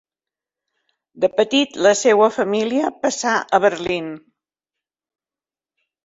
De petit la seua família passà a Berlín.